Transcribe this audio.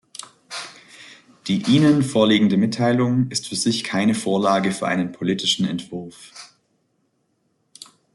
Die Ihnen vorliegende Mitteilung ist für sich keine Vorlage für einen politischen Entwurf.